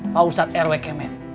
pak ustadz rw kemen